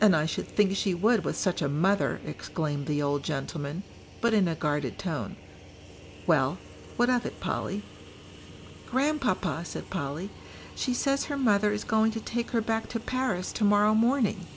"And I should think she would with such a mother," exclaimed the old gentleman, but in a guarded tone. "Well, what of it, Polly?" "Grandpapa," said Polly, "she says her mother is going to take her back to Paris tomorrow morning."